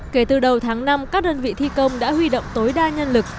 kể từ đầu tháng năm các đơn vị thi công đã huy động tối đa nhân lực